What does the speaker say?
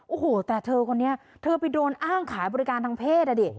โอ้โหแต่เธอคนนี้เธอไปโดนอ้างขายบริการทางเพศอ่ะดิ